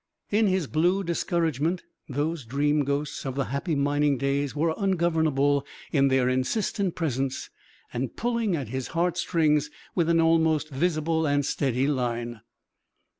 In his blue discouragement those dream ghosts of the happy mining days were ungovernable in their insistent presence and pulling at his heart strings with an almost visible and steady line.